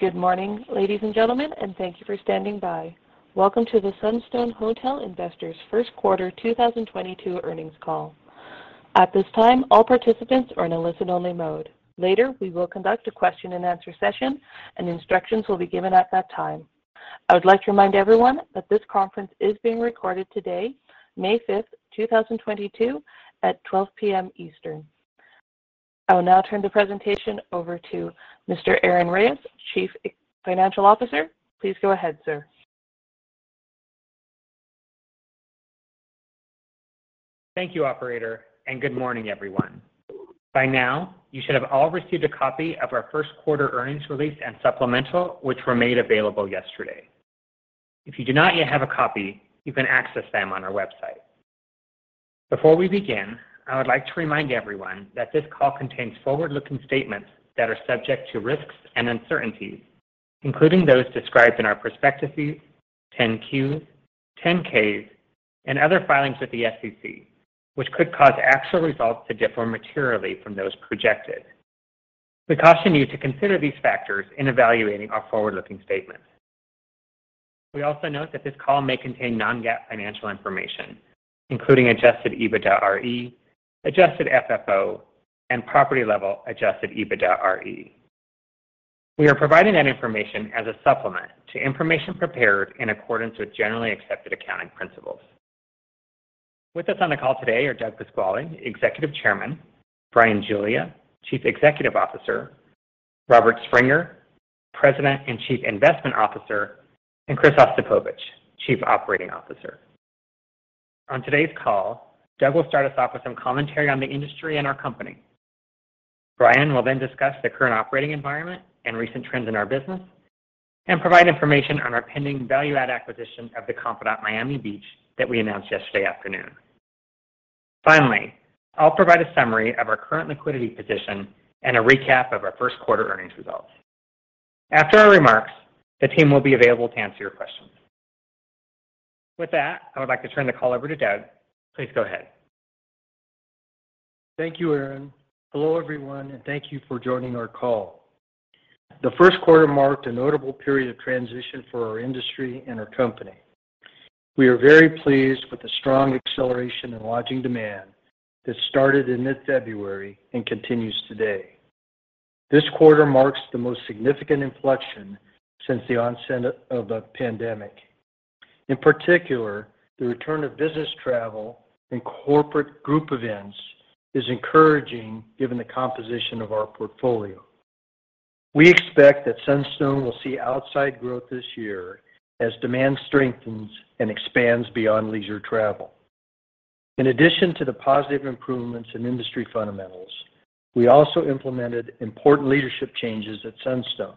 Good morning, ladies and gentlemen, and thank you for standing by. Welcome to the Sunstone Hotel Investors First Quarter 2022 earnings call. At this time, all participants are in a listen only mode. Later, we will conduct a question and answer session, and instructions will be given at that time. I would like to remind everyone that this conference is being recorded today, May 5, 2022, at 12:00 P.M. Eastern. I will now turn the presentation over to Mr. Aaron Reyes, Chief Financial Officer. Please go ahead, sir. Thank you, operator, and good morning, everyone. By now, you should have all received a copy of our first quarter earnings release and supplemental, which were made available yesterday. If you do not yet have a copy, you can access them on our website. Before we begin, I would like to remind everyone that this call contains forward-looking statements that are subject to risks and uncertainties, including those described in our prospectuses, 10-Qs, 10-Ks, and other filings with the SEC, which could cause actual results to differ materially from those projected. We caution you to consider these factors in evaluating our forward-looking statements. We also note that this call may contain non-GAAP financial information, including Adjusted EBITDAre, Adjusted FFO, and property-level Adjusted EBITDAre. We are providing that information as a supplement to information prepared in accordance with generally accepted accounting principles. With us on the call today are Doug Pasquale, Executive Chairman, Bryan Giglia, Chief Executive Officer, Robert Springer, President and Chief Investment Officer, and Chris Ostapovicz, Chief Operating Officer. On today's call, Doug will start us off with some commentary on the industry and our company. Bryan Giglia will then discuss the current operating environment and recent trends in our business and provide information on our pending value add acquisition of The Confidante Miami Beach that we announced yesterday afternoon. Finally, I'll provide a summary of our current liquidity position and a recap of our first quarter earnings results. After our remarks, the team will be available to answer your questions. With that, I would like to turn the call over to Doug. Please go ahead. Thank you, Aaron. Hello, everyone, and thank you for joining our call. The first quarter marked a notable period of transition for our industry and our company. We are very pleased with the strong acceleration in lodging demand that started in mid-February and continues today. This quarter marks the most significant inflection since the onset of the pandemic. In particular, the return of business travel and corporate group events is encouraging given the composition of our portfolio. We expect that Sunstone will see outside growth this year as demand strengthens and expands beyond leisure travel. In addition to the positive improvements in industry fundamentals, we also implemented important leadership changes at Sunstone.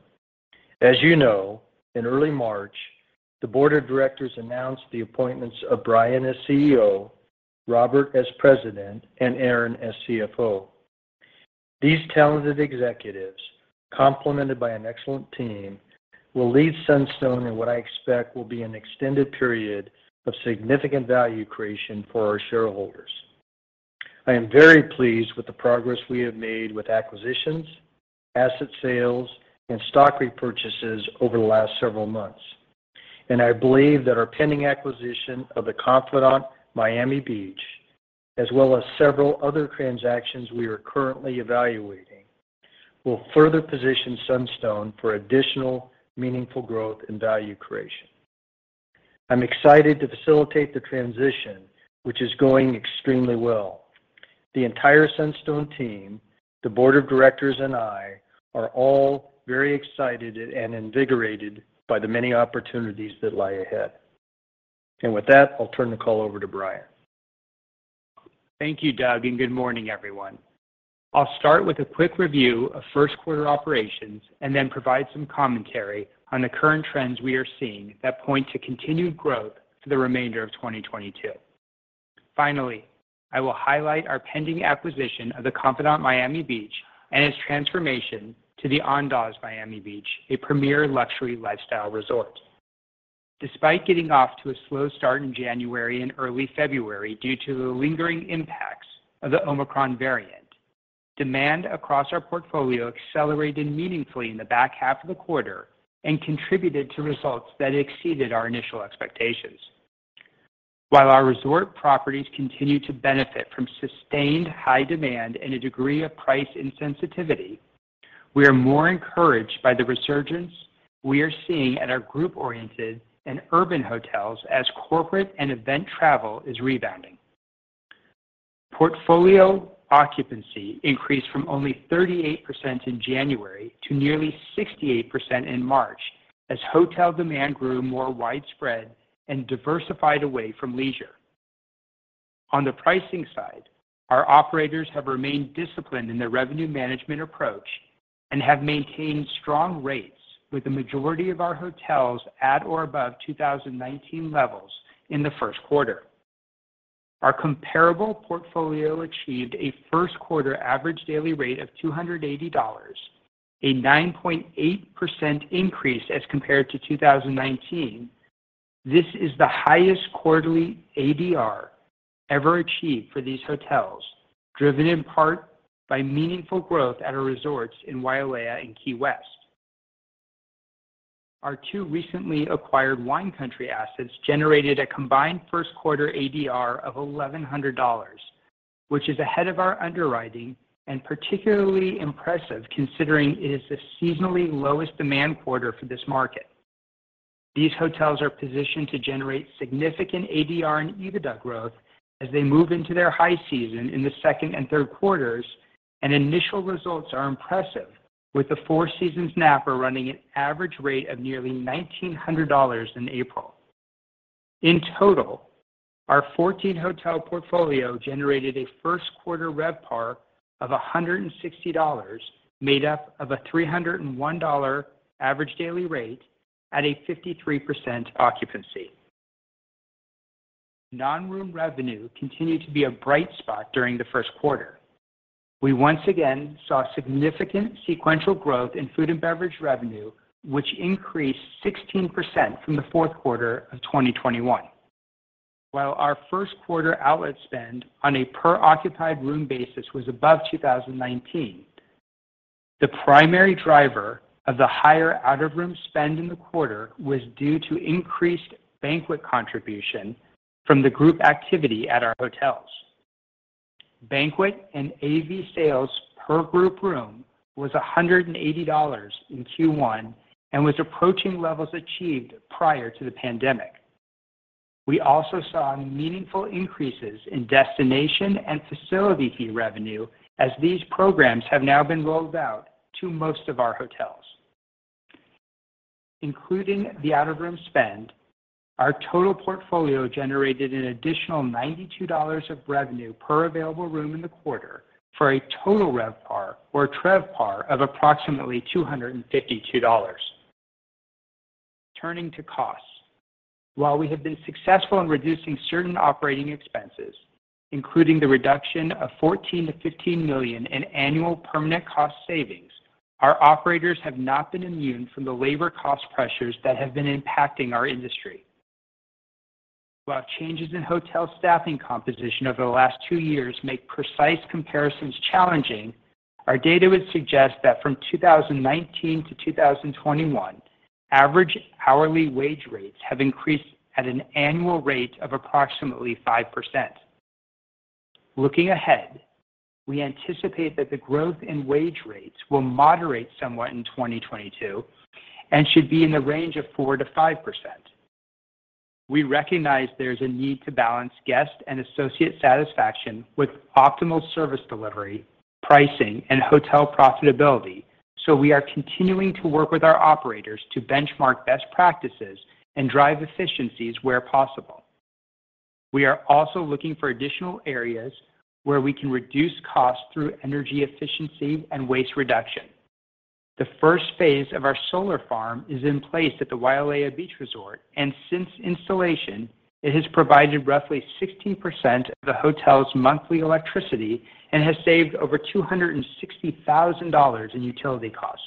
As you know, in early March, the board of directors announced the appointments of Bryan as CEO, Robert as President, and Aaron as CFO. These talented executives, complemented by an excellent team, will lead Sunstone in what I expect will be an extended period of significant value creation for our shareholders. I am very pleased with the progress we have made with acquisitions, asset sales, and stock repurchases over the last several months, and I believe that our pending acquisition of The Confidante Miami Beach, as well as several other transactions we are currently evaluating, will further position Sunstone for additional meaningful growth and value creation. I'm excited to facilitate the transition, which is going extremely well. The entire Sunstone team, the board of directors and I are all very excited and invigorated by the many opportunities that lie ahead. With that, I'll turn the call over to Bryan. Thank you, Doug, and good morning, everyone. I'll start with a quick review of first quarter operations and then provide some commentary on the current trends we are seeing that point to continued growth for the remainder of 2022. Finally, I will highlight our pending acquisition of The Confidante Miami Beach and its transformation to the Andaz Miami Beach, a premier luxury lifestyle resort. Despite getting off to a slow start in January and early February due to the lingering impacts of the Omicron variant, demand across our portfolio accelerated meaningfully in the back half of the quarter and contributed to results that exceeded our initial expectations. While our resort properties continue to benefit from sustained high demand and a degree of price insensitivity, we are more encouraged by the resurgence we are seeing at our group-oriented and urban hotels as corporate and event travel is rebounding. Portfolio occupancy increased from only 38% in January to nearly 68% in March as hotel demand grew more widespread and diversified away from leisure. On the pricing side, our operators have remained disciplined in their revenue management approach and have maintained strong rates with the majority of our hotels at or above 2019 levels in the first quarter. Our comparable portfolio achieved a first quarter average daily rate of $280, a 9.8% increase as compared to 2019. This is the highest quarterly ADR ever achieved for these hotels, driven in part by meaningful growth at our resorts in Wailea and Key West. Our two recently acquired Wine Country assets generated a combined first quarter ADR of $1,100, which is ahead of our underwriting and particularly impressive considering it is the seasonally lowest demand quarter for this market. These hotels are positioned to generate significant ADR and EBITDA growth as they move into their high season in the second and third quarters, and initial results are impressive with the Four Seasons Napa running an average rate of nearly $1,900 in April. In total, our 14-hotel portfolio generated a first quarter RevPAR of $160, made up of a $301 average daily rate at a 53% occupancy. Non-room revenue continued to be a bright spot during the first quarter. We once again saw significant sequential growth in food and beverage revenue, which increased 16% from the fourth quarter of 2021. While our first quarter outlet spend on a per occupied room basis was above 2019, the primary driver of the higher out-of-room spend in the quarter was due to increased banquet contribution from the group activity at our hotels. Banquet and AV sales per group room was $180 in Q1 and was approaching levels achieved prior to the pandemic. We also saw meaningful increases in destination and facility fee revenue as these programs have now been rolled out to most of our hotels. Including the out-of-room spend, our total portfolio generated an additional $92 of revenue per available room in the quarter for a total RevPAR or TRevPAR of approximately $252. Turning to costs. While we have been successful in reducing certain operating expenses, including the reduction of $14 million-$15 million in annual permanent cost savings, our operators have not been immune from the labor cost pressures that have been impacting our industry. While changes in hotel staffing composition over the last two years make precise comparisons challenging, our data would suggest that from 2019-2021, average hourly wage rates have increased at an annual rate of approximately 5%. Looking ahead, we anticipate that the growth in wage rates will moderate somewhat in 2022 and should be in the range of 4%-5%. We recognize there's a need to balance guest and associate satisfaction with optimal service delivery, pricing, and hotel profitability. We are continuing to work with our operators to benchmark best practices and drive efficiencies where possible. We are also looking for additional areas where we can reduce costs through energy efficiency and waste reduction. The first phase of our solar farm is in place at the Wailea Beach Resort, and since installation, it has provided roughly 60% of the hotel's monthly electricity and has saved over $260,000 in utility costs.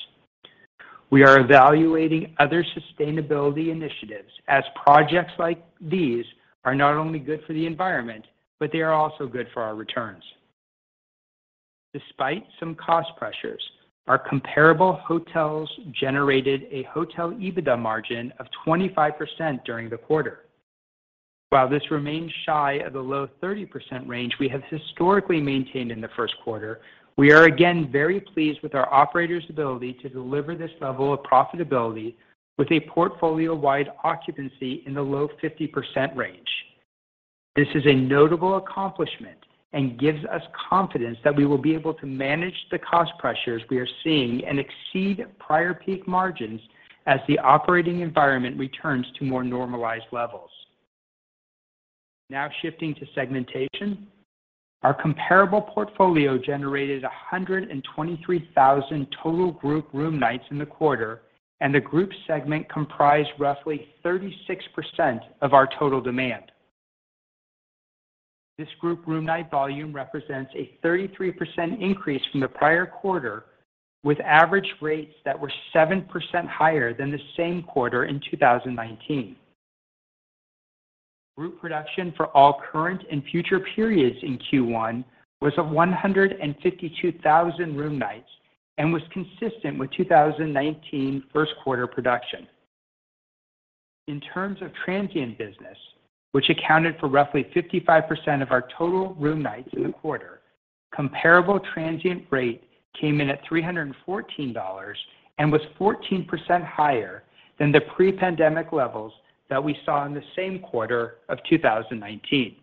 We are evaluating other sustainability initiatives as projects like these are not only good for the environment, but they are also good for our returns. Despite some cost pressures, our comparable hotels generated a hotel EBITDA margin of 25% during the quarter. While this remains shy of the low 30% range we have historically maintained in the first quarter, we are again very pleased with our operators' ability to deliver this level of profitability with a portfolio-wide occupancy in the low 50% range. This is a notable accomplishment and gives us confidence that we will be able to manage the cost pressures we are seeing and exceed prior peak margins as the operating environment returns to more normalized levels. Now shifting to segmentation. Our comparable portfolio generated 123,000 total group room nights in the quarter, and the group segment comprised roughly 36% of our total demand. This group room night volume represents a 33% increase from the prior quarter, with average rates that were 7% higher than the same quarter in 2019. Group production for all current and future periods in Q1 was of 152,000 room nights and was consistent with 2019 first quarter production. In terms of transient business, which accounted for roughly 55% of our total room nights in the quarter, comparable transient rate came in at $314 and was 14% higher than the pre-pandemic levels that we saw in the same quarter of 2019.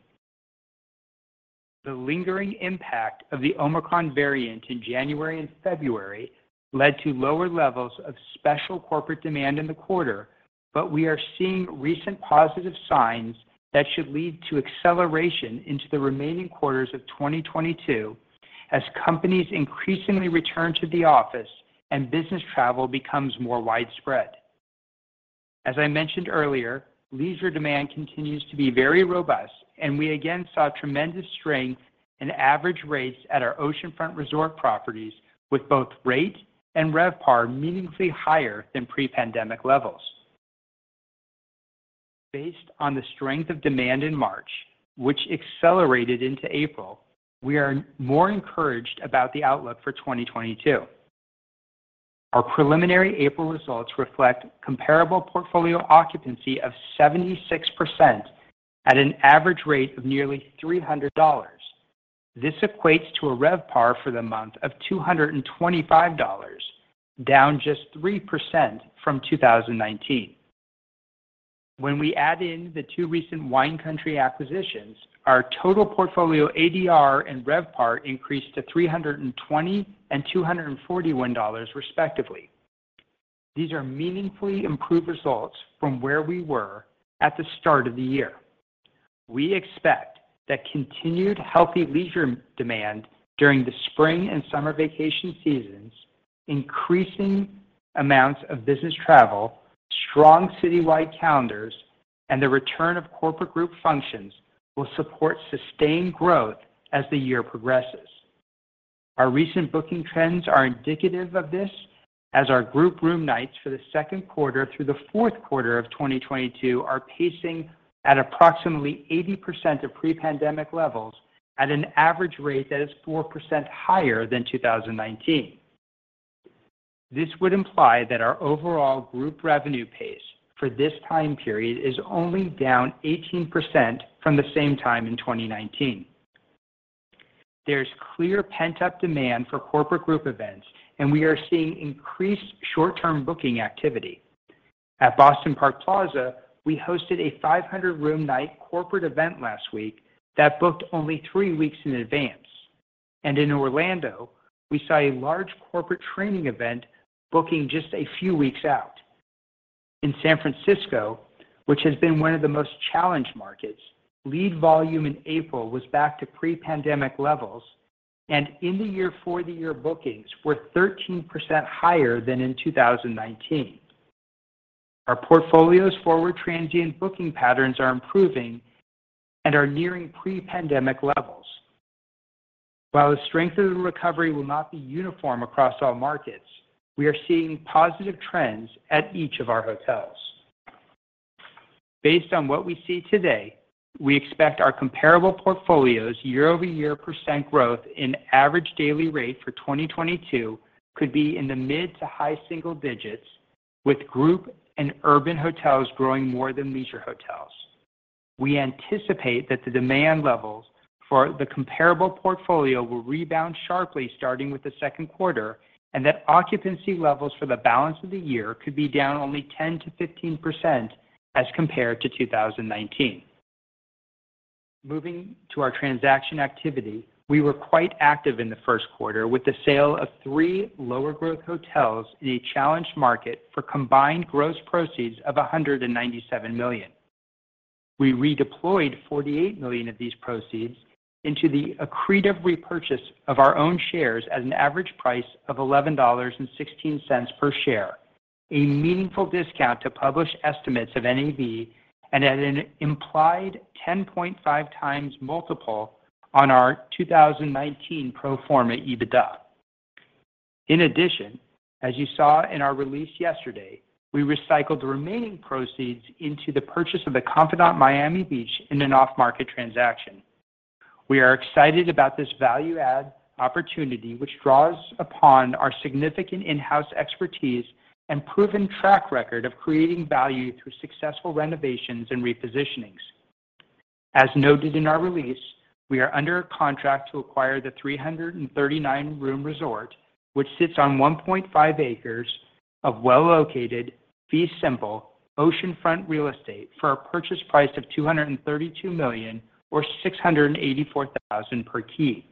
The lingering impact of the Omicron variant in January and February led to lower levels of special corporate demand in the quarter. We are seeing recent positive signs that should lead to acceleration into the remaining quarters of 2022 as companies increasingly return to the office and business travel becomes more widespread. As I mentioned earlier, leisure demand continues to be very robust, and we again saw tremendous strength in average rates at our oceanfront resort properties with both rate and RevPAR meaningfully higher than pre-pandemic levels. Based on the strength of demand in March, which accelerated into April, we are more encouraged about the outlook for 2022. Our preliminary April results reflect comparable portfolio occupancy of 76% at an average rate of nearly $300. This equates to a RevPAR for the month of $225, down just 3% from 2019. When we add in the two recent Wine Country acquisitions, our total portfolio ADR and RevPAR increased to $320 and $241 respectively. These are meaningfully improved results from where we were at the start of the year. We expect that continued healthy leisure demand during the spring and summer vacation seasons, increasing amounts of business travel, strong citywide calendars, and the return of corporate group functions will support sustained growth as the year progresses. Our recent booking trends are indicative of this as our group room nights for the second quarter through the fourth quarter of 2022 are pacing at approximately 80% of pre-pandemic levels at an average rate that is 4% higher than 2019. This would imply that our overall group revenue pace for this time period is only down 18% from the same time in 2019. There's clear pent-up demand for corporate group events, and we are seeing increased short-term booking activity. At Boston Park Plaza, we hosted a 500 room night corporate event last week that booked only three weeks in advance. In Orlando, we saw a large corporate training event booking just a few weeks out. In San Francisco, which has been one of the most challenged markets, lead volume in April was back to pre-pandemic levels, and in the year for the year bookings were 13% higher than in 2019. Our portfolio's forward transient booking patterns are improving and are nearing pre-pandemic levels. While the strength of the recovery will not be uniform across all markets, we are seeing positive trends at each of our hotels. Based on what we see today, we expect our comparable portfolio's year-over-year percent growth in average daily rate for 2022 could be in the mid to high single digits, with group and urban hotels growing more than leisure hotels. We anticipate that the demand levels for the comparable portfolio will rebound sharply starting with the second quarter, and that occupancy levels for the balance of the year could be down only 10%-15% as compared to 2019. Moving to our transaction activity, we were quite active in the first quarter with the sale of three lower growth hotels in a challenged market for combined gross proceeds of $197 million. We redeployed $48 million of these proceeds into the accretive repurchase of our own shares at an average price of $11.16 per share, a meaningful discount to published estimates of NAV and at an implied 10.5x multiple on our 2019 pro forma EBITDA. In addition, as you saw in our release yesterday, we recycled the remaining proceeds into the purchase of The Confidante Miami Beach in an off-market transaction. We are excited about this value add opportunity, which draws upon our significant in-house expertise and proven track record of creating value through successful renovations and repositionings. As noted in our release, we are under a contract to acquire the 339-room resort, which sits on 1.5 acres of well-located, fee simple oceanfront real estate for a purchase price of $232 million or $684,000 per key.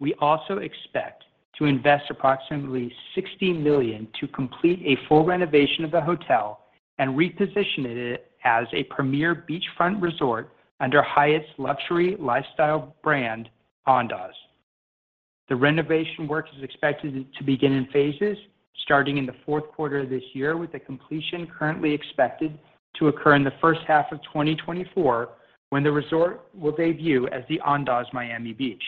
We also expect to invest approximately $60 million to complete a full renovation of the hotel and reposition it as a premier beachfront resort under Hyatt's luxury lifestyle brand, Andaz. The renovation work is expected to begin in phases starting in the fourth quarter of this year, with the completion currently expected to occur in the first half of 2024, when the resort will debut as the Andaz Miami Beach.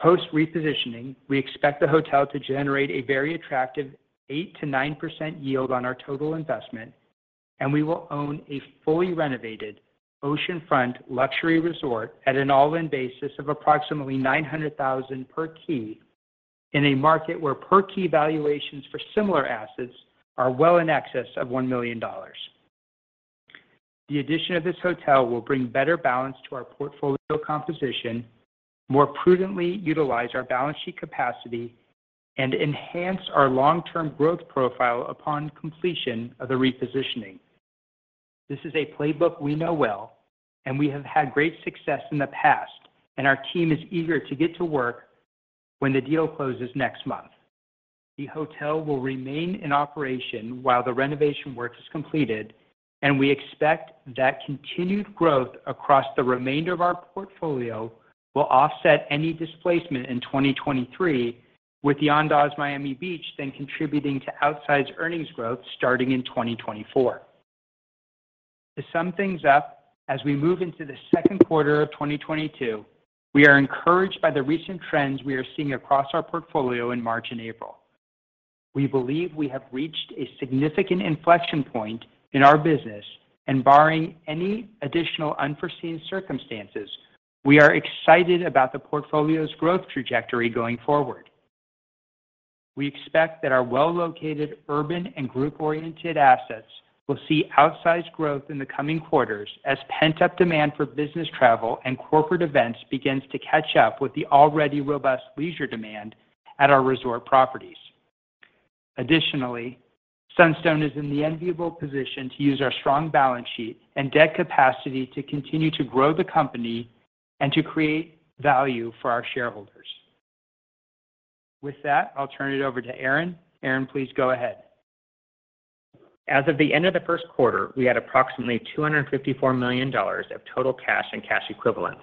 Post repositioning, we expect the hotel to generate a very attractive 8%-9% yield on our total investment, and we will own a fully renovated oceanfront luxury resort at an all-in basis of approximately $900,000 per key in a market where per-key valuations for similar assets are well in excess of $1 million. The addition of this hotel will bring better balance to our portfolio composition, more prudently utilize our balance sheet capacity, and enhance our long-term growth profile upon completion of the repositioning. This is a playbook we know well, and we have had great success in the past, and our team is eager to get to work when the deal closes next month. The hotel will remain in operation while the renovation work is completed, and we expect that continued growth across the remainder of our portfolio will offset any displacement in 2023, with the Andaz Miami Beach then contributing to outsized earnings growth starting in 2024. To sum things up, as we move into the second quarter of 2022, we are encouraged by the recent trends we are seeing across our portfolio in March and April. We believe we have reached a significant inflection point in our business, and barring any additional unforeseen circumstances, we are excited about the portfolio's growth trajectory going forward. We expect that our well-located urban and group-oriented assets will see outsized growth in the coming quarters as pent-up demand for business travel and corporate events begins to catch up with the already robust leisure demand at our resort properties. Additionally, Sunstone is in the enviable position to use our strong balance sheet and debt capacity to continue to grow the company and to create value for our shareholders. With that, I'll turn it over to Aaron. Aaron, please go ahead. As of the end of the first quarter, we had approximately $254 million of total cash and cash equivalents,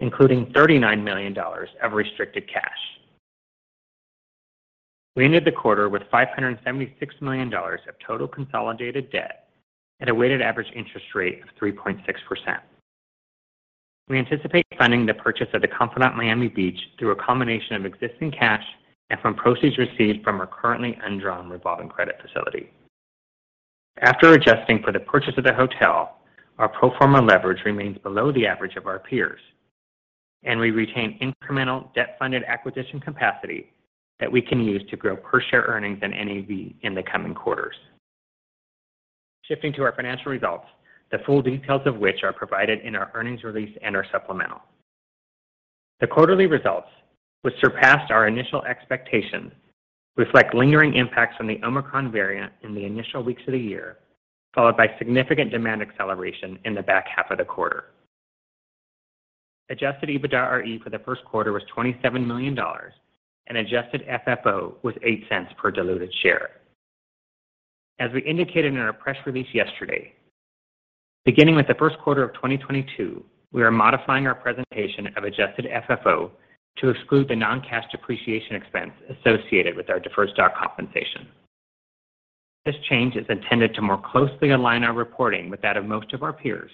including $39 million of restricted cash. We ended the quarter with $576 million of total consolidated debt at a weighted average interest rate of 3.6%. We anticipate funding the purchase of The Confidante Miami Beach through a combination of existing cash and from proceeds received from our currently undrawn revolving credit facility. After adjusting for the purchase of the hotel, our pro forma leverage remains below the average of our peers, and we retain incremental debt-funded acquisition capacity that we can use to grow per share earnings and NAV in the coming quarters. Shifting to our financial results, the full details of which are provided in our earnings release and our supplemental. The quarterly results, which surpassed our initial expectations, reflect lingering impacts from the Omicron variant in the initial weeks of the year, followed by significant demand acceleration in the back half of the quarter. Adjusted EBITDAre for the first quarter was $27 million, and Adjusted FFO was $0.08 per diluted share. As we indicated in our press release yesterday, beginning with the first quarter of 2022, we are modifying our presentation of Adjusted FFO to exclude the non-cash depreciation expense associated with our deferred stock compensation. This change is intended to more closely align our reporting with that of most of our peers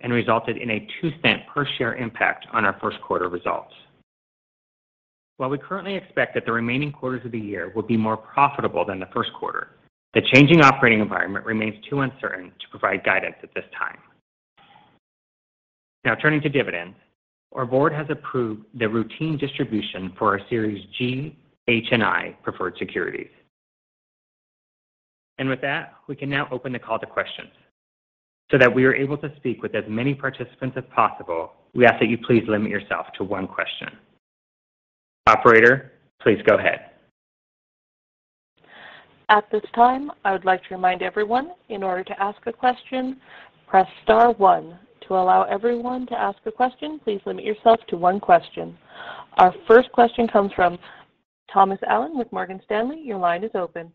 and resulted in a $0.02 per share impact on our first quarter results. While we currently expect that the remaining quarters of the year will be more profitable than the first quarter, the changing operating environment remains too uncertain to provide guidance at this time. Now turning to dividends, our board has approved the routine distribution for our Series G, H, and I preferred securities. With that, we can now open the call to questions. So that we are able to speak with as many participants as possible, we ask that you please limit yourself to one question. Operator, please go ahead. At this time, I would like to remind everyone, in order to ask a question, press star one. To allow everyone to ask a question, please limit yourself to one question. Our first question comes from Thomas Allen with Morgan Stanley. Your line is open.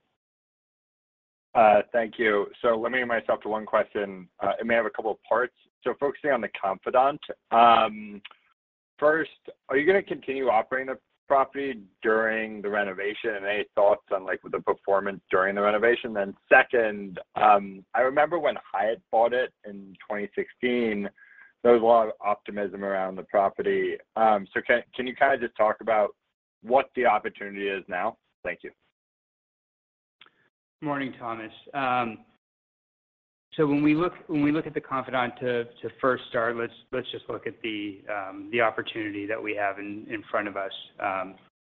Thank you. Limiting myself to one question, it may have a couple of parts. Focusing on The Confidante, first, are you gonna continue operating the property during the renovation? Any thoughts on, like, the performance during the renovation? Second, I remember when Hyatt bought it in 2016, there was a lot of optimism around the property. Can you kind of just talk about what the opportunity is now? Thank you. Morning, Thomas. When we look at The Confidante, first start, let's just look at the opportunity that we have in front of us.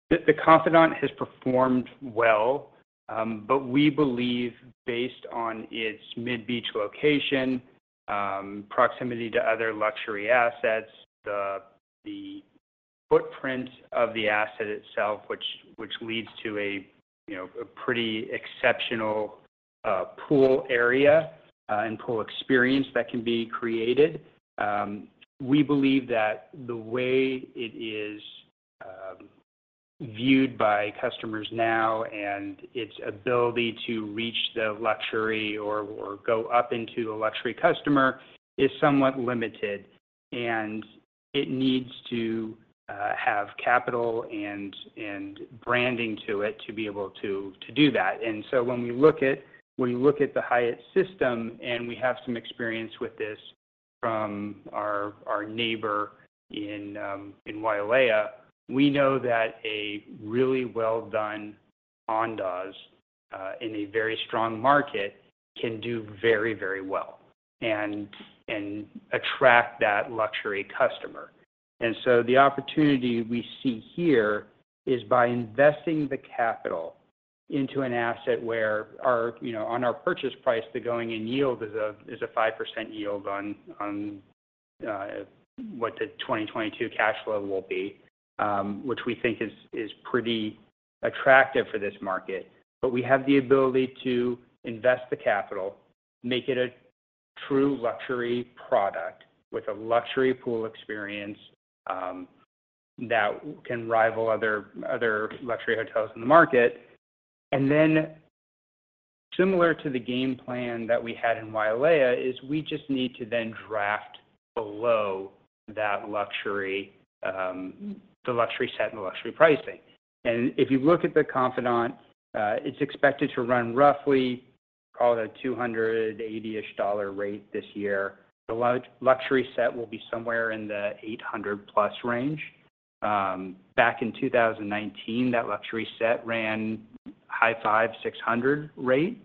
The Confidante has performed well, but we believe based on its mid-beach location, proximity to other luxury assets, the footprint of the asset itself, which leads to a, you know, a pretty exceptional pool area and pool experience that can be created. We believe that the way it is viewed by customers now and its ability to reach the luxury or go up into a luxury customer is somewhat limited, and it needs to have capital and branding to it to be able to do that. When you look at the Hyatt system, and we have some experience with this from our neighbor in Wailea, we know that a really well-done Andaz in a very strong market can do very well and attract that luxury customer. The opportunity we see here is by investing the capital into an asset where, you know, on our purchase price, the going-in yield is a 5% yield on what the 2022 cash flow will be, which we think is pretty attractive for this market. We have the ability to invest the capital, make it a true luxury product with a luxury pool experience that can rival other luxury hotels in the market. Similar to the game plan that we had in Wailea, we just need to drive below that luxury, the luxury set and the luxury pricing. If you look at The Confidante, it's expected to run roughly, call it a $280-ish rate this year. The luxury set will be somewhere in the 800+ range. Back in 2019, that luxury set ran high five-600 rate.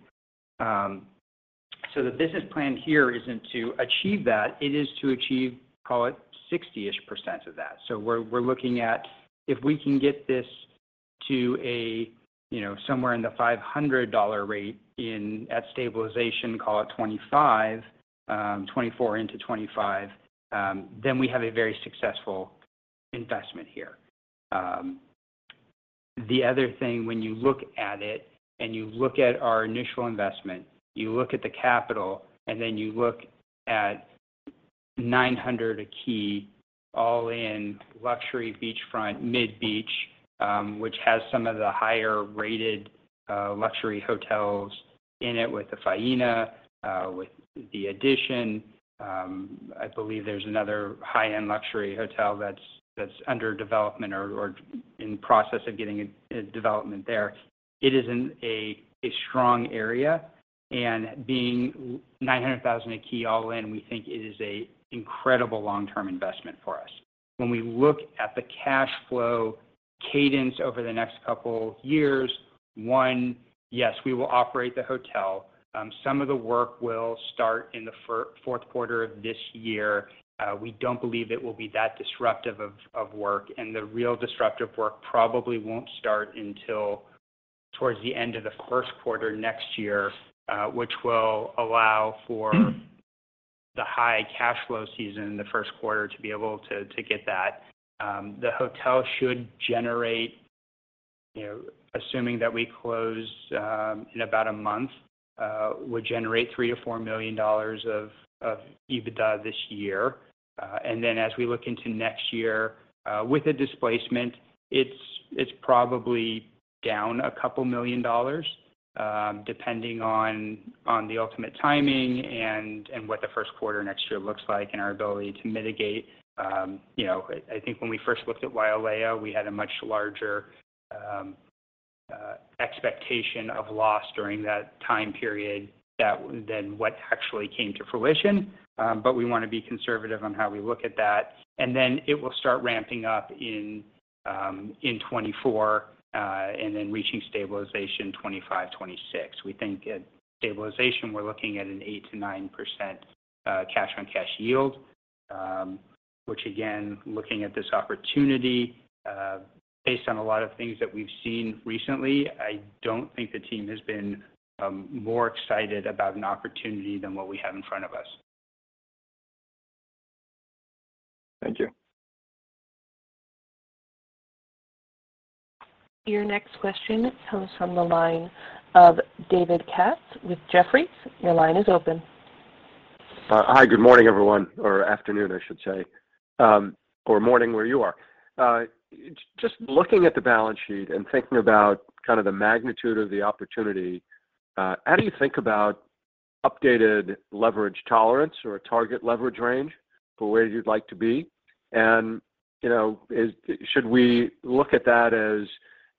The business plan here isn't to achieve that, it is to achieve, call it 60-ish% of that. We're looking at if we can get this to a, you know, somewhere in the $500 rate at stabilization, call it 2025, 2024 into 2025, then we have a very successful investment here. The other thing when you look at it and you look at our initial investment, you look at the capital, and then you look at $900 a key all-in luxury beachfront Mid-Beach, which has some of the higher-rated luxury hotels in it with the Faena, with the addition, I believe there's another high-end luxury hotel that's under development or in process of getting a development there. It is in a strong area, and being $900,000 a key all in, we think it is an incredible long-term investment for us. When we look at the cash flow cadence over the next couple years, one, yes, we will operate the hotel. Some of the work will start in the fourth quarter of this year. We don't believe it will be that disruptive of work, and the real disruptive work probably won't start until towards the end of the first quarter next year, which will allow for the high cash flow season in the first quarter to get that. The hotel should generate, you know, assuming that we close in about a month, $3-$4 million of EBITDA this year. As we look into next year with the displacement, it's probably down a couple million dollars, depending on the ultimate timing and what the first quarter next year looks like and our ability to mitigate. You know, I think when we first looked at Wailea, we had a much larger expectation of loss during that time period than what actually came to fruition. We wanna be conservative on how we look at that. It will start ramping up in 2024, and then reaching stabilization 2025, 2026. We think at stabilization, we're looking at an 8%-9% cash-on-cash yield, which again, looking at this opportunity, based on a lot of things that we've seen recently, I don't think the team has been more excited about an opportunity than what we have in front of us. Thank you. Your next question comes from the line of David Katz with Jefferies. Your line is open. Hi. Good morning, everyone. Or afternoon, I should say, or morning where you are. Just looking at the balance sheet and thinking about kind of the magnitude of the opportunity, how do you think about updated leverage tolerance or target leverage range for where you'd like to be? You know, should we look at that as,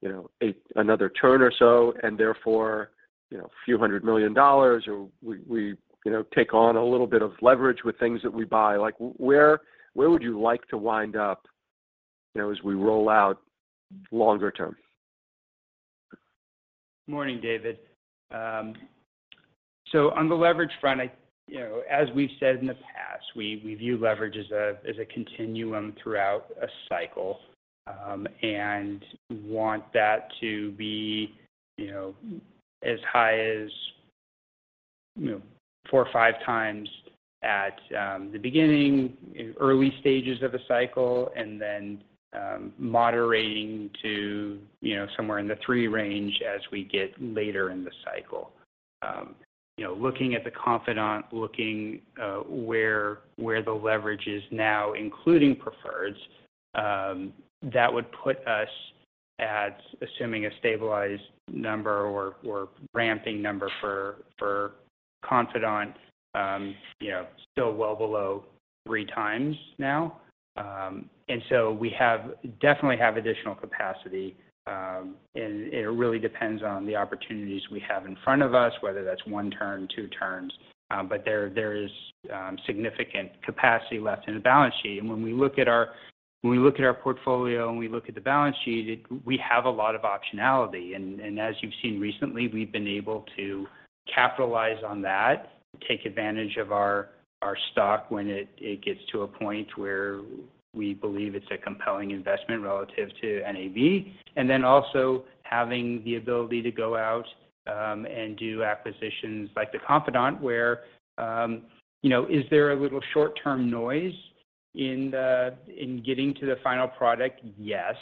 you know, another turn or so, and therefore, you know, a few hundred million dollars or we you know, take on a little bit of leverage with things that we buy? Like, where would you like to wind up, you know, as we roll out longer term? Morning, David. On the leverage front, you know, as we've said in the past, we view leverage as a continuum throughout a cycle, and want that to be, you know, as high as, you know, four or five times at the beginning, in early stages of a cycle, and then moderating to, you know, somewhere in the three range as we get later in the cycle. You know, looking at The Confidante, where the leverage is now, including preferreds, that would put us at assuming a stabilized number or ramping number for Confidante, you know, still well below three times now. We definitely have additional capacity, and it really depends on the opportunities we have in front of us, whether that's one turn, two turns. There is significant capacity left in the balance sheet. When we look at our portfolio and we look at the balance sheet, we have a lot of optionality. As you've seen recently, we've been able to capitalize on that, take advantage of our stock when it gets to a point where we believe it's a compelling investment relative to NAV. Also having the ability to go out and do acquisitions like The Confidante, where you know, is there a little short-term noise in getting to the final product? Yes.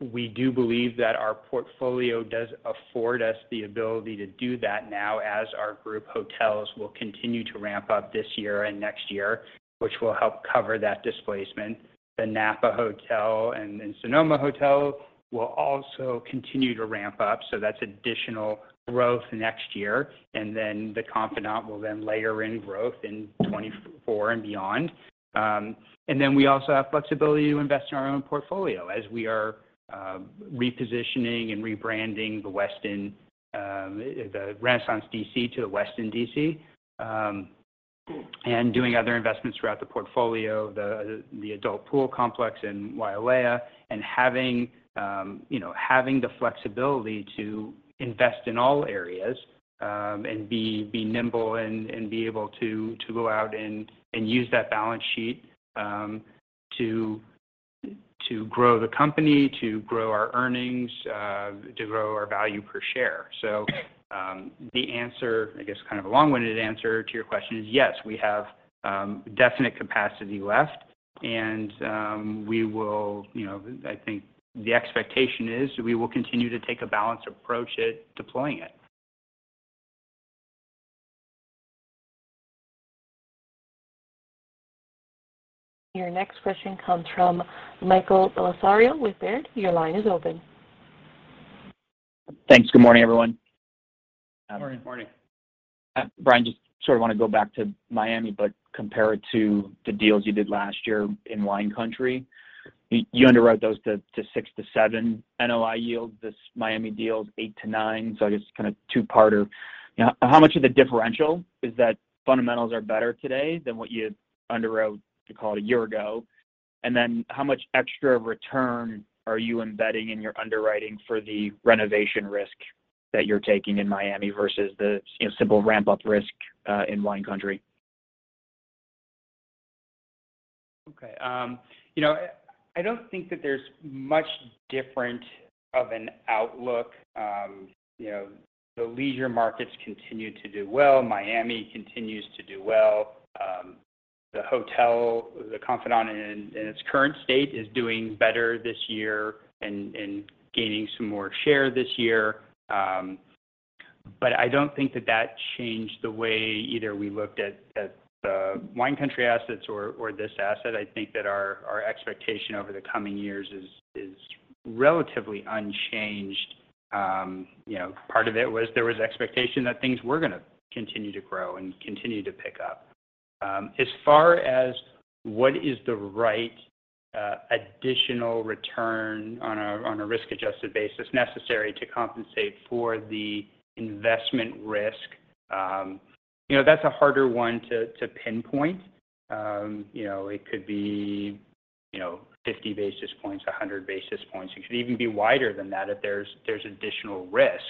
We do believe that our portfolio does afford us the ability to do that now as our group hotels will continue to ramp up this year and next year, which will help cover that displacement. The Napa hotel and Sonoma hotel will also continue to ramp up, so that's additional growth next year. The Confidante will then layer in growth in 2024 and beyond. We also have flexibility to invest in our own portfolio as we are repositioning and rebranding The Westin, the Renaissance DC to The Westin DC, and doing other investments throughout the portfolio, the adult pool complex in Wailea and having, you know, the flexibility to invest in all areas and be nimble and be able to go out and use that balance sheet to grow the company, to grow our earnings, to grow our value per share. The answer, I guess kind of a long-winded answer to your question is, yes, we have definite capacity left, and we will, you know, I think the expectation is we will continue to take a balanced approach at deploying it. Your next question comes from Michael Bellisario with Baird. Your line is open. Thanks. Good morning, everyone. Morning. Morning. Bryan, just sort of want to go back to Miami, but compare it to the deals you did last year in Wine Country. You underwrote those to 6%-7% NOI yield. This Miami deal is 8%-9%. I guess kind of two-parter. You know, how much of the differential is that fundamentals are better today than what you underwrote, let's call it, a year ago? Then how much extra return are you embedding in your underwriting for the renovation risk that you're taking in Miami versus the, you know, simple ramp-up risk in Wine Country? Okay. You know, I don't think that there's much different of an outlook. You know, the leisure markets continue to do well. Miami continues to do well. The hotel, The Confidante in its current state is doing better this year and gaining some more share this year. But I don't think that changed the way either we looked at the Wine Country assets or this asset. I think that our expectation over the coming years is relatively unchanged. You know, part of it was there was expectation that things were gonna continue to grow and continue to pick up. As far as what is the right additional return on a risk-adjusted basis necessary to compensate for the investment risk, you know, that's a harder one to pinpoint. You know, it could be 50 basis points, 100 basis points. It could even be wider than that if there's additional risk.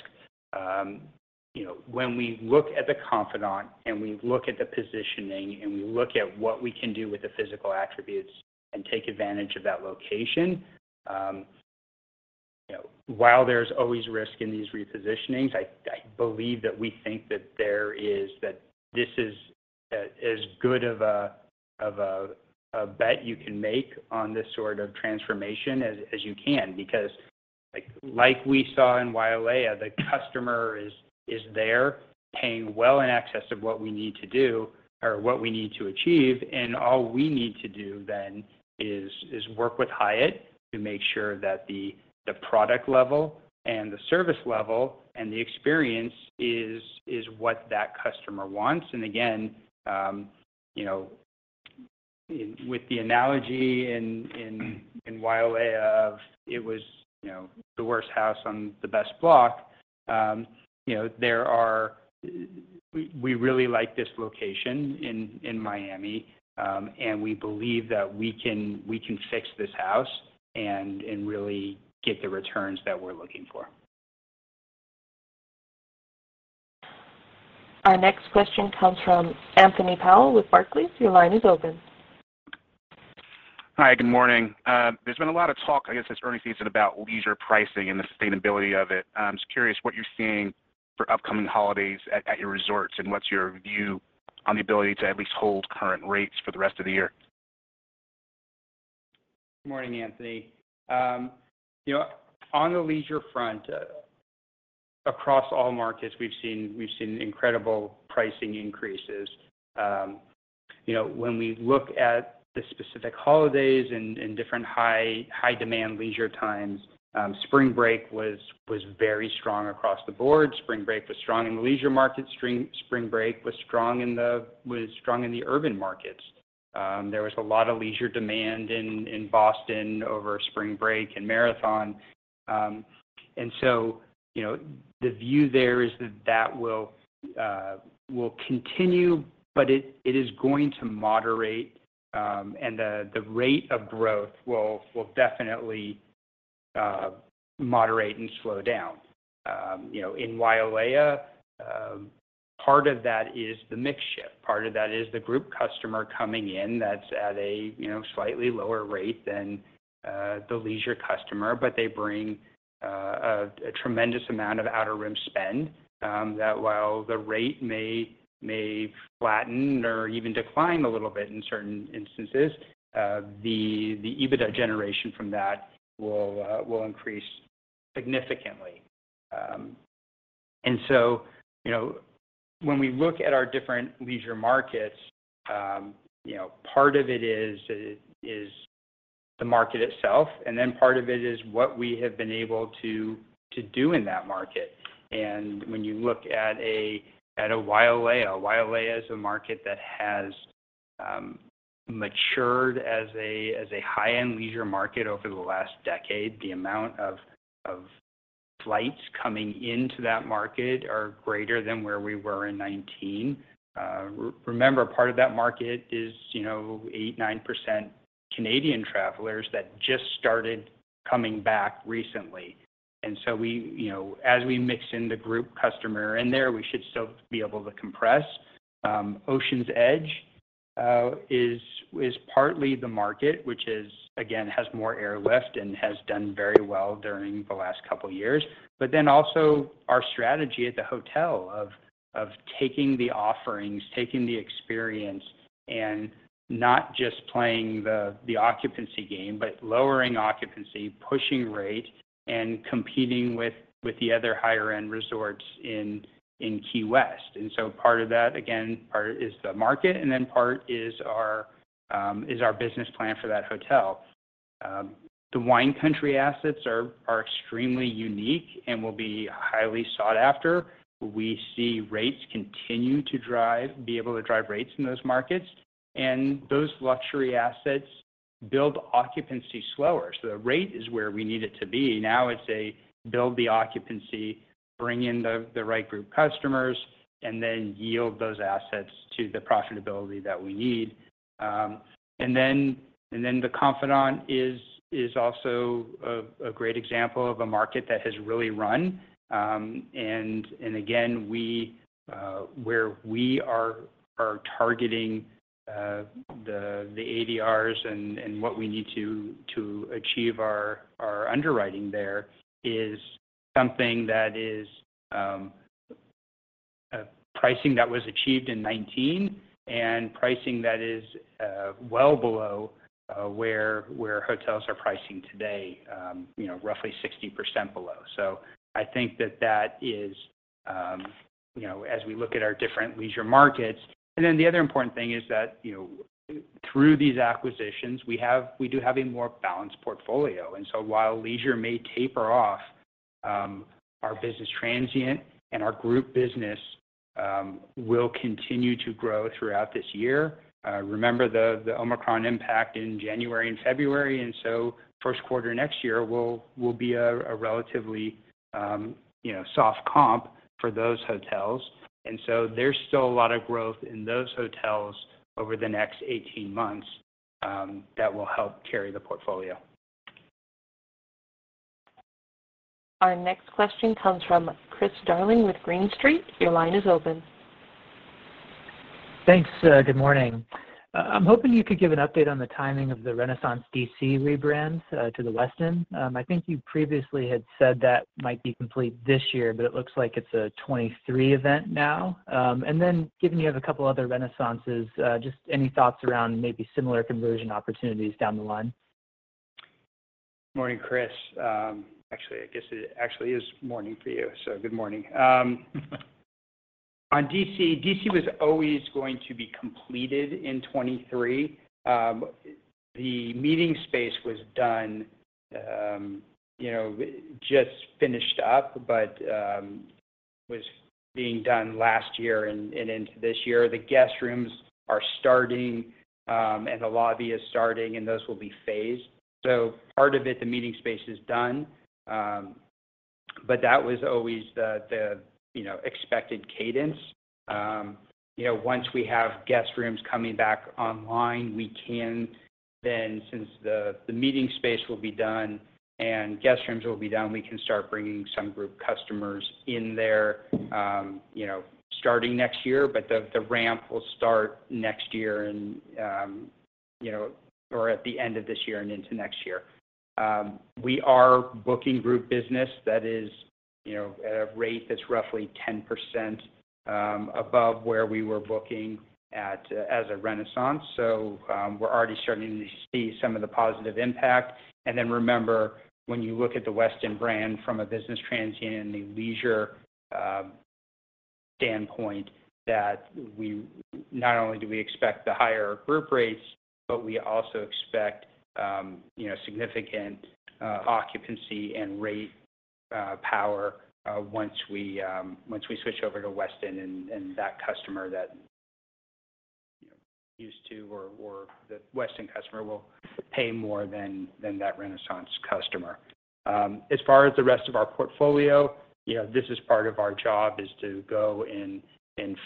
You know, when we look at The Confidante, and we look at the positioning, and we look at what we can do with the physical attributes and take advantage of that location, you know, while there's always risk in these repositionings, I believe that we think that there is that this is as good of a bet you can make on this sort of transformation as you can because, like we saw in Wailea, the customer is there paying well in excess of what we need to do or what we need to achieve. All we need to do then is work with Hyatt to make sure that the product level and the service level and the experience is what that customer wants. Again, you know, with the analogy in Wailea of it was the worst house on the best block, you know, we really like this location in Miami, and we believe that we can fix this house and really get the returns that we're looking for. Our next question comes from Anthony Powell with Barclays. Your line is open. Hi. Good morning. There's been a lot of talk, I guess, this earnings season about leisure pricing and the sustainability of it. I'm just curious what you're seeing for upcoming holidays at your resorts, and what's your view on the ability to at least hold current rates for the rest of the year? Good morning, Anthony. You know, on the leisure front, across all markets, we've seen incredible pricing increases. You know, when we look at the specific holidays and different high-demand leisure times, spring break was very strong across the board. Spring break was strong in the leisure market. Spring break was strong in the urban markets. There was a lot of leisure demand in Boston over spring break and marathon. You know, the view there is that that will continue, but it is going to moderate, and the rate of growth will definitely moderate and slow down. You know, in Wailea, part of that is the mix shift. Part of that is the group customer coming in that's at a, you know, slightly lower rate than the leisure customer. They bring a tremendous amount of outer rim spend that while the rate may flatten or even decline a little bit in certain instances, the EBITDA generation from that will increase significantly. You know, when we look at our different leisure markets, you know, part of it is the market itself, and then part of it is what we have been able to do in that market. When you look at Wailea is a market that has matured as a high-end leisure market over the last decade. The amount of flights coming into that market are greater than where we were in 2019. Remember, part of that market is, you know, 8%-9% Canadian travelers that just started coming back recently. We, you know, as we mix in the group customer in there, we should still be able to compress. Oceans Edge is partly the market, which, again, has more airlift and has done very well during the last couple years. Also our strategy at the hotel of taking the offerings, taking the experience, and not just playing the occupancy game, but lowering occupancy, pushing rate, and competing with the other higher-end resorts in Key West. Part of that, again, part is the market, and then part is our business plan for that hotel. The wine country assets are extremely unique and will be highly sought after. We see rates continue to be able to drive rates in those markets. Those luxury assets build occupancy slower. The rate is where we need it to be. Now it's to build the occupancy, bring in the right group customers, and then yield those assets to the profitability that we need. The Confidante is also a great example of a market that has really run. Again, we are targeting the ADRs and what we need to achieve our underwriting there is something that is a pricing that was achieved in 2019 and pricing that is well below where hotels are pricing today, you know, roughly 60% below. I think that is as we look at our different leisure markets. The other important thing is that, through these acquisitions, we do have a more balanced portfolio. While leisure may taper off, our business transient and our group business will continue to grow throughout this year. Remember the Omicron impact in January and February. First quarter next year will be a relatively soft comp for those hotels. There's still a lot of growth in those hotels over the next 18 months that will help carry the portfolio. Our next question comes from Chris Darling with Green Street. Your line is open. Thanks. Good morning. I'm hoping you could give an update on the timing of the Renaissance D.C. rebrand to the Westin. I think you previously had said that might be complete this year, but it looks like it's a 2023 event now. Given you have a couple other Renaissances, just any thoughts around maybe similar conversion opportunities down the line? Morning, Chris. Actually, I guess it actually is morning for you, so good morning. On D.C., D.C. was always going to be completed in 2023. The meeting space was done, you know, just finished up, but was being done last year and into this year. The guest rooms are starting, and the lobby is starting, and those will be phased. Part of it, the meeting space is done, but that was always the you know, expected cadence. You know, once we have guest rooms coming back online, we can then, since the meeting space will be done and guest rooms will be done, we can start bringing some group customers in there, you know, starting next year. The ramp will start next year and, you know, or at the end of this year and into next year. We are booking group business that is, you know, at a rate that's roughly 10% above where we were booking at as a Renaissance. We're already starting to see some of the positive impact. Then remember, when you look at the Westin brand from a business transient and a leisure standpoint, that we not only do we expect the higher group rates, but we also expect, you know, significant occupancy and rate power once we switch over to Westin and that customer that, you know, used to or the Westin customer will pay more than that Renaissance customer. As far as the rest of our portfolio, you know, this is part of our job is to go and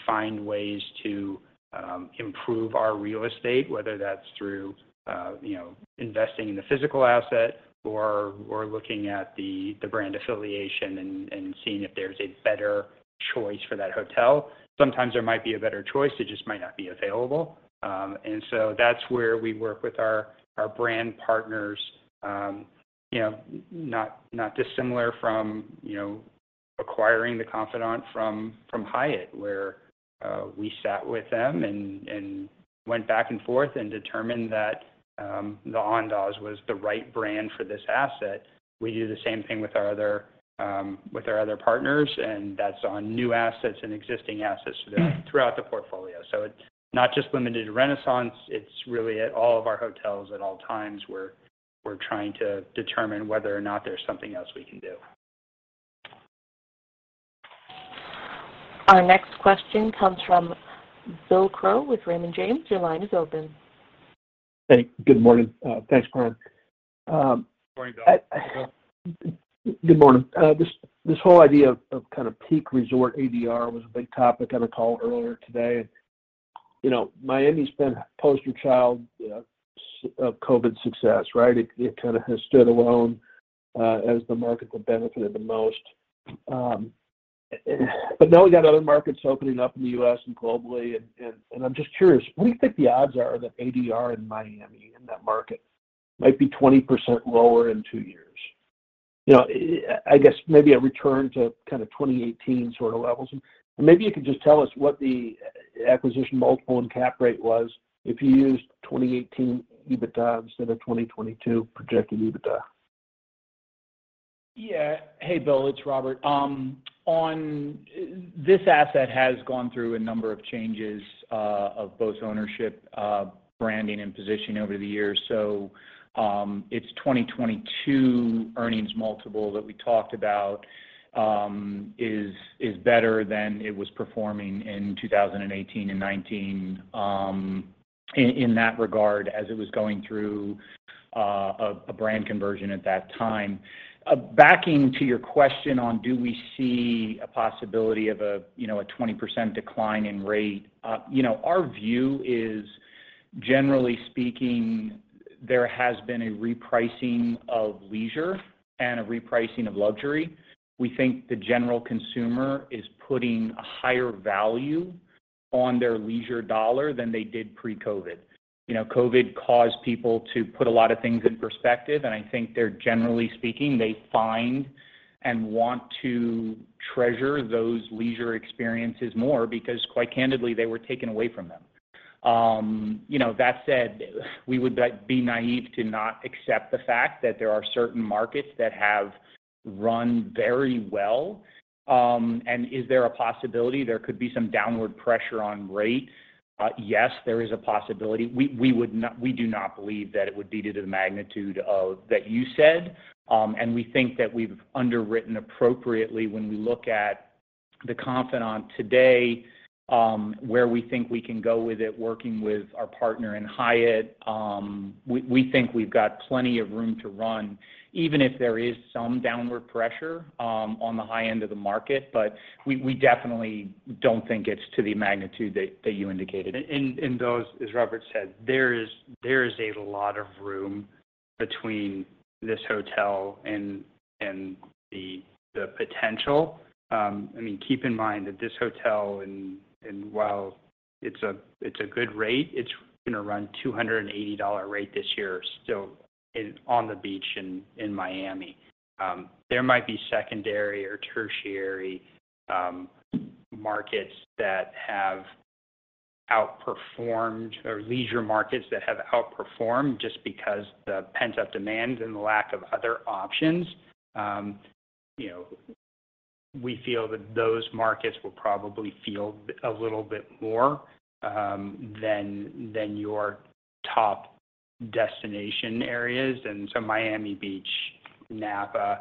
find ways to improve our real estate, whether that's through, you know, investing in the physical asset or looking at the brand affiliation and seeing if there's a better choice for that hotel. Sometimes there might be a better choice. It just might not be available. That's where we work with our brand partners, you know, not dissimilar from, you know, acquiring The Confidante from Hyatt, where we sat with them and went back and forth and determined that the Andaz was the right brand for this asset. We do the same thing with our other partners, and that's on new assets and existing assets throughout the portfolio. It's not just limited to Renaissance, it's really at all of our hotels at all times. We're trying to determine whether or not there's something else we can do. Our next question comes from Bill Crow with Raymond James. Your line is open. Hey, good morning. Thanks, Karen. Good morning, Bill. Good morning. This whole idea of kind of peak resort ADR was a big topic on a call earlier today. You know, Miami's been poster child, you know, of COVID success, right? It kinda has stood alone, as the market that benefited the most. But now we got other markets opening up in the U.S. and globally, and I'm just curious, what do you think the odds are that ADR in Miami, in that market, might be 20% lower in two years? You know, I guess maybe a return to kinda 2018 sorta levels. Maybe you could just tell us what the acquisition multiple and cap rate was if you used 2018 EBITDA instead of 2022 projected EBITDA. Yeah. Hey, Bill. It's Robert. This asset has gone through a number of changes of both ownership, branding, and positioning over the years. Its 2022 earnings multiple that we talked about is better than it was performing in 2018 and 2019 in that regard as it was going through a brand conversion at that time. Backing to your question, do we see a possibility of a you know a 20% decline in rate you know our view is generally speaking there has been a repricing of leisure and a repricing of luxury. We think the general consumer is putting a higher value on their leisure dollar than they did pre-COVID. You know, COVID caused people to put a lot of things in perspective, and I think they're, generally speaking, they find and want to treasure those leisure experiences more because, quite candidly, they were taken away from them. You know, that said, we would be naive to not accept the fact that there are certain markets that have run very well. Is there a possibility there could be some downward pressure on rate? Yes, there is a possibility. We do not believe that it would be to the magnitude of that you said, and we think that we've underwritten appropriately when we look at The Confidante today, where we think we can go with it working with our partner in Hyatt. We think we've got plenty of room to run, even if there is some downward pressure on the high end of the market. We definitely don't think it's to the magnitude that you indicated. Those, as Robert said, there is a lot of room between this hotel and the potential. I mean, keep in mind that this hotel and while it's a good rate, it's gonna run $280 rate this year, still on the beach in Miami. There might be secondary or tertiary markets that have outperformed, or leisure markets that have outperformed just because the pent-up demand and the lack of other options. You know, we feel that those markets will probably feel a little bit more than your top destination areas. Miami Beach, Napa,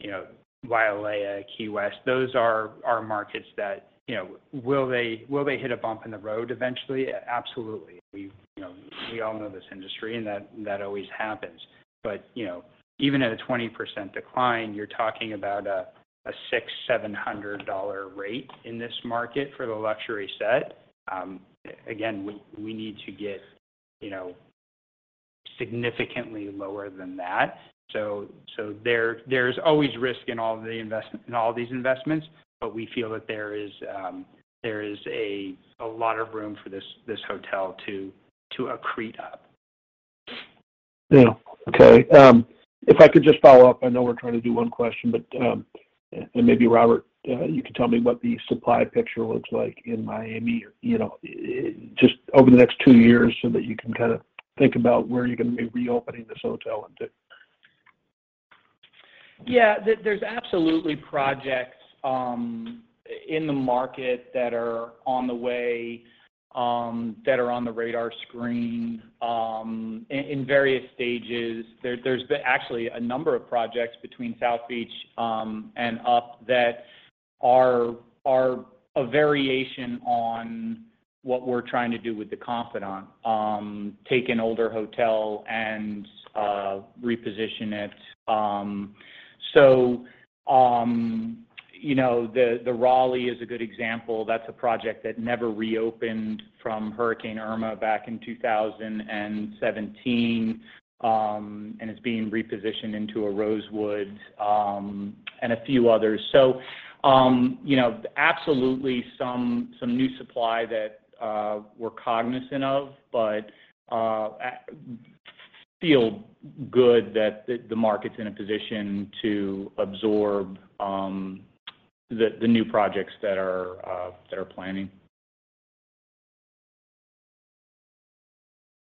you know, Wailea, Key West, those are our markets that, you know, will they hit a bump in the road eventually? Absolutely. We, you know, we all know this industry, and that always happens. You know, even at a 20% decline, you're talking about a $600-$700 rate in this market for the luxury set. Again, we need to get, you know, significantly lower than that. There's always risk in all these investments, but we feel that there is a lot of room for this hotel to accrete up. Yeah. Okay. If I could just follow up. I know we're trying to do one question, but maybe Robert, you can tell me what the supply picture looks like in Miami, you know, just over the next two years so that you can kinda think about where you're gonna be reopening this hotel into. Yeah. There's absolutely projects in the market that are on the way, that are on the radar screen, in various stages. There's been actually a number of projects between South Beach and up that are a variation on what we're trying to do with The Confidante, take an older hotel and reposition it. You know, the Raleigh is a good example. That's a project that never reopened from Hurricane Irma back in 2017, and it's being repositioned into a Rosewood, and a few others. You know, absolutely some new supply that we're cognizant of, but feel good that the market's in a position to absorb the new projects that are planning.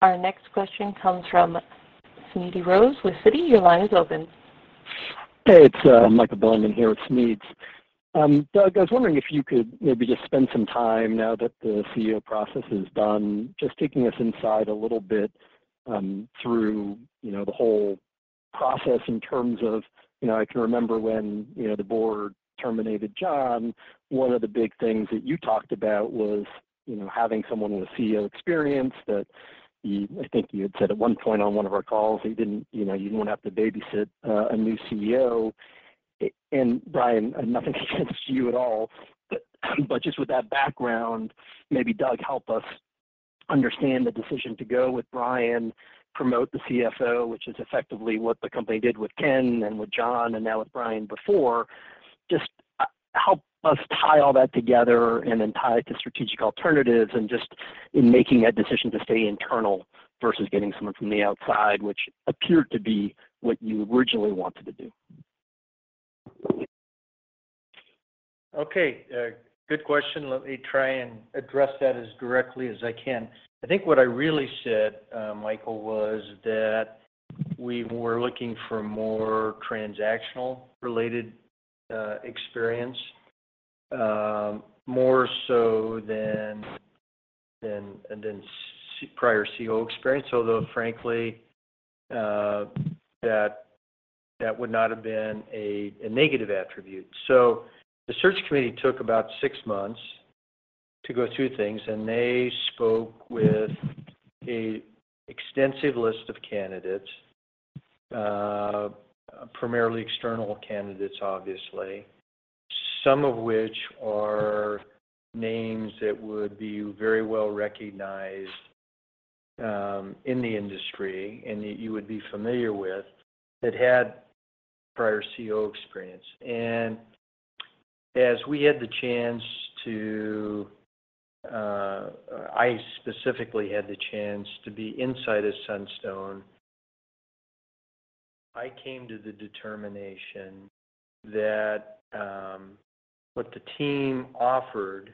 Our next question comes from Smedes Rose with Citi. Your line is open. Hey, it's Michael [Belli] here with Smedes. Doug, I was wondering if you could maybe just spend some time now that the CEO process is done, just taking us inside a little bit, through, you know, the whole process in terms of. You know, I can remember when, you know, the board terminated John, one of the big things that you talked about was, you know, having someone with CEO experience that you I think you had said at one point on one of our calls that you didn't, you know, you didn't wanna have to babysit a new CEO. And Bryan, nothing against you at all, but just with that background, maybe Doug help us understand the decision to go with Bryan, promote the CFO, which is effectively what the company did with Ken and with John, and now with Bryan before. Just, help us tie all that together and then tie it to strategic alternatives and just in making that decision to stay internal versus getting someone from the outside, which appeared to be what you originally wanted to do. Okay. Good question. Let me try and address that as directly as I can. I think what I really said, Michael, was that we were looking for more transactional related experience, more so than prior CEO experience, although frankly, that would not have been a negative attribute. The search committee took about six months to go through things, and they spoke with an extensive list of candidates, primarily external candidates, obviously, some of which are names that would be very well-recognized in the industry and that you would be familiar with, that had prior CEO experience. As we had the chance to I specifically had the chance to be inside of Sunstone, I came to the determination that what the team offered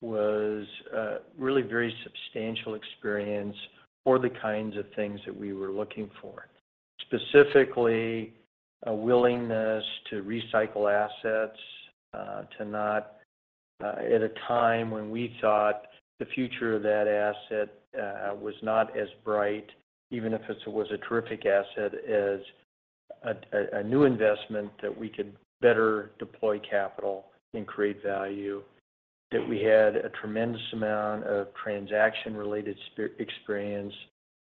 was a really very substantial experience for the kinds of things that we were looking for. Specifically, a willingness to recycle assets to not at a time when we thought the future of that asset was not as bright, even if it was a terrific asset, as a new investment that we could better deploy capital and create value. That we had a tremendous amount of transaction-related experience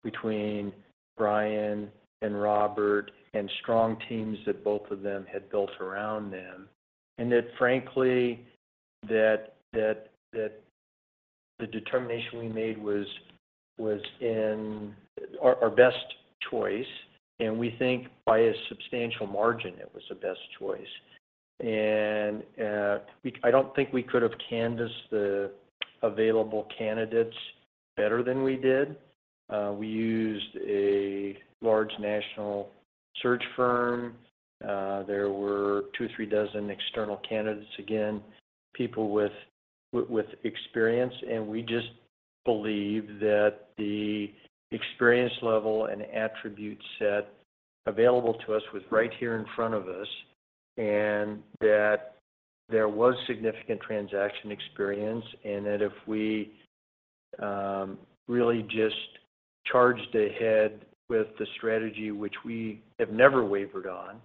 between Bryan and Robert, and strong teams that both of them had built around them. That frankly the determination we made was in our best choice, and we think by a substantial margin it was the best choice. I don't think we could have canvassed the available candidates better than we did. We used a large national search firm. There were two, three dozen external candidates, again, people with experience. We just believe that the experience level and attribute set available to us was right here in front of us, and that there was significant transaction experience, and that if we really just charged ahead with the strategy which we have never wavered on,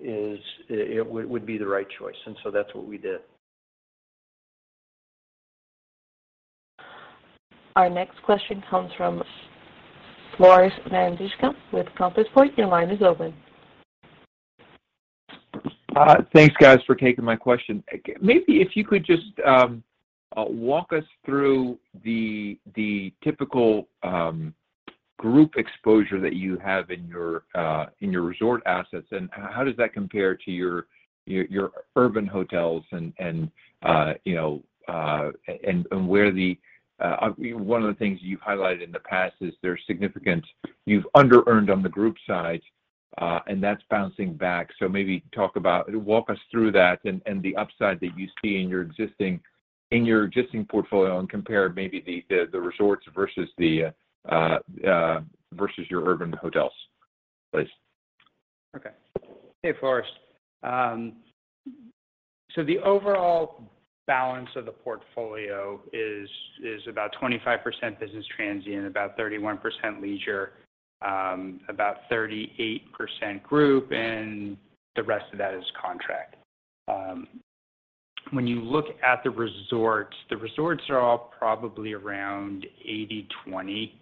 it would be the right choice, and so that's what we did. Our next question comes from Floris van Dijkum with Compass Point. Your line is open. Thanks guys for taking my question. Maybe if you could just walk us through the typical group exposure that you have in your resort assets, and how does that compare to your urban hotels, you know. One of the things you've highlighted in the past is there significant. You've under-earned on the group side, and that's bouncing back. Walk us through that and the upside that you see in your existing portfolio, and compare maybe the resorts versus your urban hotels, please? Okay. Hey, Floris van Dijkum. So the overall balance of the portfolio is about 25% business transient, about 31% leisure, about 38% group, and the rest of that is contract. When you look at the resorts, the resorts are all probably around 80-20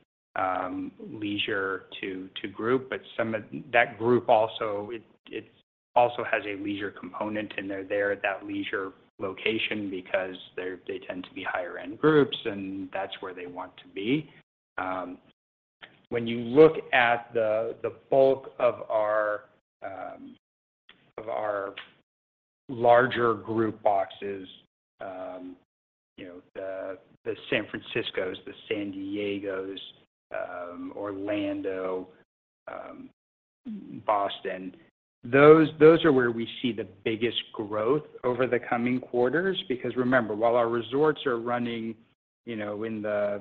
leisure to group, but some of that group also has a leisure component, and they're there at that leisure location because they tend to be higher end groups, and that's where they want to be. When you look at the bulk of our larger group boxes, you know, the San Franciscos, the San Diegos, Orlando, Boston, those are where we see the biggest growth over the coming quarters. Because remember, while our resorts are running, you know, in the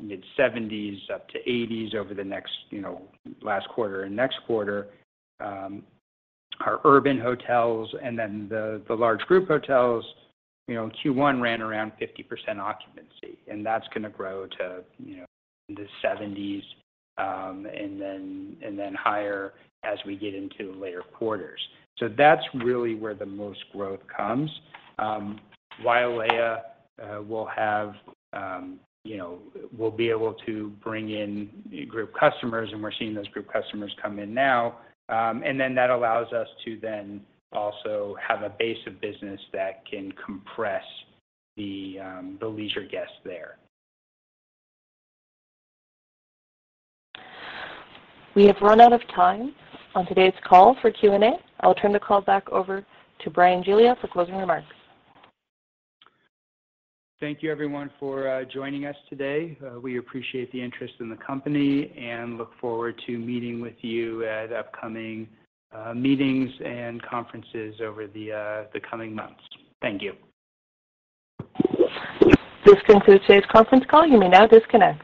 mid-70s up to 80s over the next, you know, last quarter and next quarter, our urban hotels and then the large group hotels, you know, Q1 ran around 50% occupancy. That's gonna grow to, you know, the 70s, and then higher as we get into later quarters. That's really where the most growth comes. Wailea will have, you know, will be able to bring in group customers, and we're seeing those group customers come in now. Then that allows us to then also have a base of business that can compress the leisure guests there. We have run out of time on today's call for Q&A. I'll turn the call back over to Bryan Giglia for closing remarks. Thank you everyone for joining us today. We appreciate the interest in the company and look forward to meeting with you at upcoming meetings and conferences over the coming months. Thank you. This concludes today's conference call. You may now disconnect.